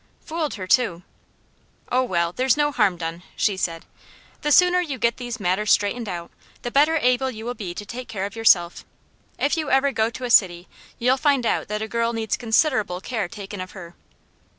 Fooled her, too! "Oh well, there's no harm done," she said. "The sooner you get these matters straightened out, the better able you will be to take care of yourself. If you ever go to a city, you'll find out that a girl needs considerable care taken of her."